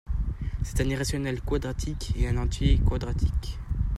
C'est un irrationnel quadratique et un entier quadratique.